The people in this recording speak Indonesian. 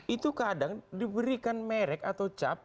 itu kadang diberikan merek atau cap